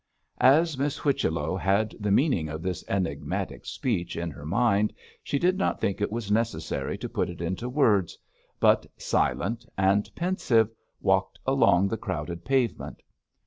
As Miss Whichello had the meaning of this enigmatic speech in her mind, she did not think it was necessary to put it into words, but, silent and pensive, walked along the crowded pavement.